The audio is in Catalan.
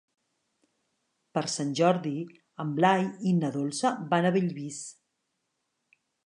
Per Sant Jordi en Blai i na Dolça van a Bellvís.